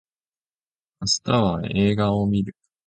明日は映画を見る